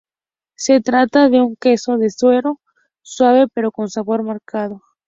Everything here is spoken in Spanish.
Se trata de un queso de suero, suave pero con sabor marcado.